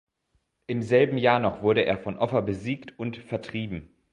Im selben Jahr noch wurde er von Offa besiegt und vertrieben.